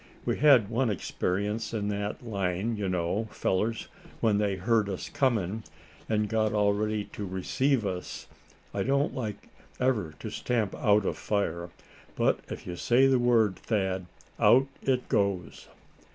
We had one experience in that line, you know, fellers, when they heard us coming, and got all ready to receive us. I don't like ever to stamp out a fire, but if you say the word, Thad, out it goes."